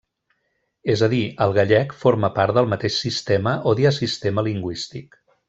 És a dir, el gallec forma part del mateix sistema o diasistema lingüístic.